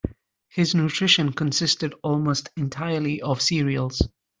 His nutrition consisted almost entirely of cereals.